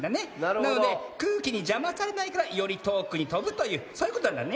なのでくうきにじゃまされないからよりとおくにとぶというそういうことなんだね。